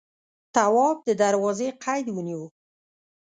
تواب د دروازې قید ونيو.